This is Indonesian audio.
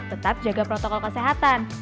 tetap jaga protokol kesehatan